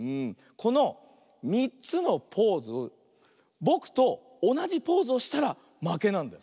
この３つのポーズぼくとおなじポーズをしたらまけなんだよ。